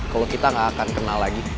kalo kita gak akan kenal lagi